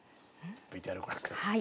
ＶＴＲをご覧ください。